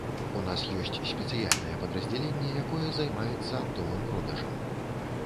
У нас ёсць спецыяльнае падраздзяленне, якое займаецца аптовым продажам.